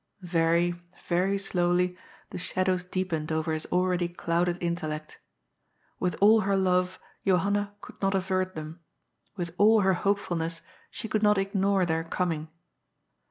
Very, very slowly the shadows deepened over his already clouded intellect With all her love Johanna could not avert them ; with all her hopefulness she could not ignore their coming.